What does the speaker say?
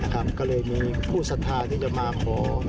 ก็เลยมีผู้สัทธาที่จะมาขอ